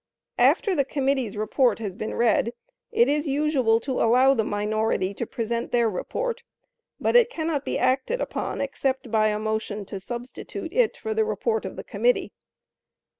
After the committee's report has been read, it is usual to allow the minority to present their report, but it cannot be acted upon except by a motion to substitute it for the report of the committee.